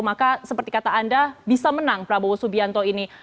maka seperti kata anda bisa menang prabowo subianto ini